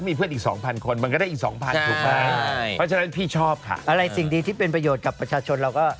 มีครั้งที่๒๐๐๐คนมันก็ได้อีก๒ค่ะไว้สิ่งดีที่เป็นประโยชน์กับประชาชนเราก็